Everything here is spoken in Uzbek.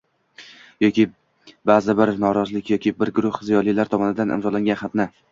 yoki ba’zi bir norozilik yoki bir guruh ziyolilar tomonidan imzolangan xatni